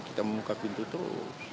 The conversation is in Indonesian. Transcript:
kita membuka pintu tuh